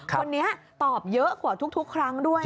คนนี้ตอบเยอะกว่าทุกครั้งด้วย